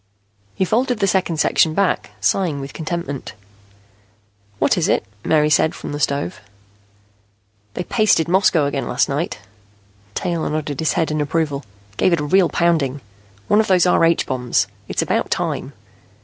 He folded the second section back, sighing with contentment. "What is it?" Mary said, from the stove. "They pasted Moscow again last night." Taylor nodded his head in approval. "Gave it a real pounding. One of those R H bombs. It's about time."